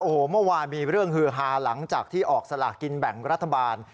โอ้โหเมื่อวานมีเรื่องฮือฮาหลังจากที่ออกสลากินแบ่งรัฐบาล